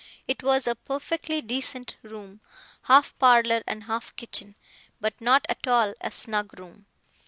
It was a perfectly decent room, half parlour and half kitchen, but not at all a snug room.